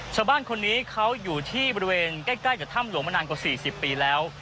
ชาวบ้านคนนี้เขาอยู่ที่บริเวณใกล้กับถ้ำหลวงมานานกว่า๔๐ปีแล้ว